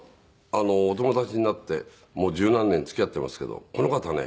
お友達になってもう十何年付き合っていますけどこの方ね